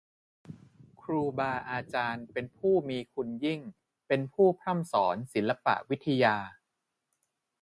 ครูบาอาจารย์เป็นผู้มีคุณยิ่ง เป็นผู้พร่ำสอนศิลปะวิทยา